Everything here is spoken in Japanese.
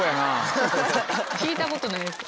聞いたことないです。